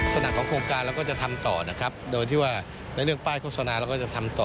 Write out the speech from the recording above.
ลักษณะของโครงการเราก็จะทำต่อนะครับโดยที่ว่าในเรื่องป้ายโฆษณาเราก็จะทำต่อ